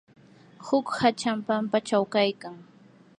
huk hacham pampachaw kaykan.